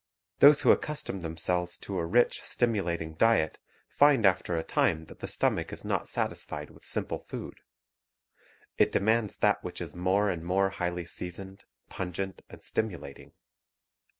Those who accustom themselves to a rich, stimu lating diet, find after a time that the stomach is not satisfied with simple food. It demands that which is more and more highly seasoned, pungent, and stimu lating.